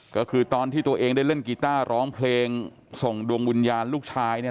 ก็คือตอนที่ตัวเองได้เล่นกีต้าร้องเพลงส่งดวงวิญญาณลูกชายเนี่ย